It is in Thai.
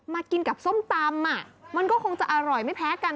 กินกับส้มตำมันก็คงจะอร่อยไม่แพ้กัน